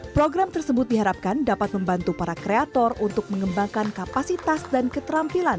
program tersebut diharapkan dapat membantu para kreator untuk mengembangkan kapasitas dan keterampilan